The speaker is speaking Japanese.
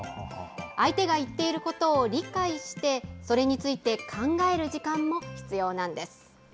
相手が言っていることを理解して、それについて考える時間も必要なんです。